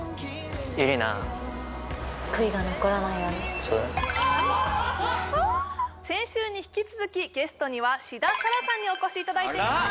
優莉奈悔いが残らないように先週に引き続きゲストには志田彩良さんにお越しいただいています